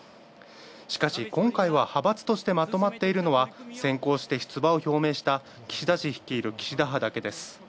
しかし、今回は派閥としてまとまっているのは先行して出馬を表明した岸田氏率いる岸田派だけです。